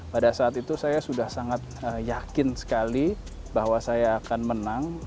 pada saat itu saya sudah sangat yakin sekali bahwa saya akan menang